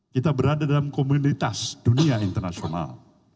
kita berada dalam komunitas dunia internasional